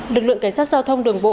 lực lượng cảnh sát giao thông đường bộ